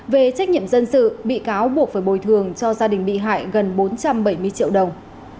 về trách nhiệm dân sự bị cáo buộc phải bồi thường cho gia đình bị hại gần bốn trăm bảy mươi triệu đồng